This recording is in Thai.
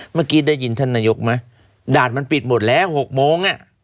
เมื่อกี้ได้ยินท่านนายกไหมด่านมันปิดหมดแล้ว๖โมง